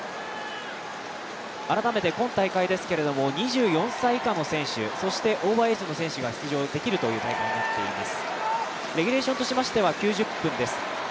改めて、今大会ですけれども、２４歳以下の選手、そしてオーバーエイジの選手が出場できるという大会になっています。